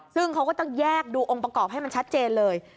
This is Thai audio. ซึ่งเขาก็ต้องแยกดูองค์ประกอบให้มันชัดเจนเลย